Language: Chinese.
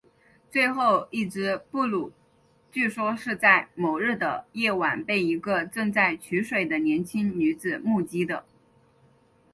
最后一只布鲁据说是在某日的夜晚被一个正在取水的年轻女子目击的。